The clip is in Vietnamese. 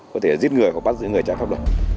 có thể là giết người hoặc bắt giữ người trả khóc